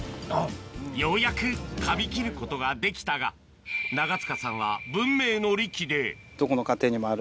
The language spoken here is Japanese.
ようやくかみ切ることができたが長塚さんは文明の利器でどこの家庭にもある。